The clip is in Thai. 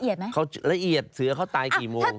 ละเอียดไหมละเอียดเสือก้าวตายกี่โมง